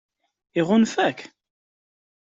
Iɣunfa-k?